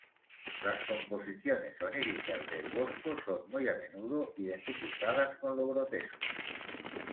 Las composiciones oníricas de El Bosco son muy a menudo identificadas con lo grotesco.